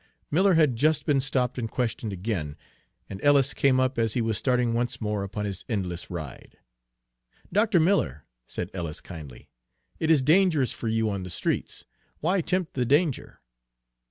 Miller had just been stopped and questioned again, and Ellis came up as he was starting once more upon his endless ride. "Dr. Miller," said Ellis kindly, "it is dangerous for you on the streets. Why tempt the danger?"